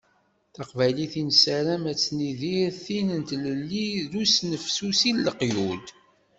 Taqbaylit i nessaram ad tt-nidir d tin n tlelli d usnefsusi n leqyud.